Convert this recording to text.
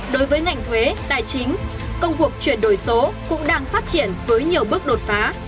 đối với ngành thuế tài chính công cuộc chuyển đổi số cũng đang phát triển với nhiều bước đột phá